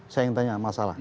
saya yang tanya masalah